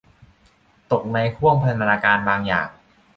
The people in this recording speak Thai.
ตกในห้วงพันธนาการบางอย่าง